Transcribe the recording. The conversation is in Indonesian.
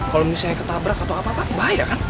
kalo misalnya ketabrak atau apa bahaya kan